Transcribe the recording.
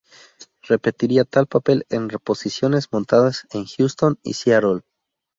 Repetiría tal papel en reposiciones montadas en Houston y Seattle.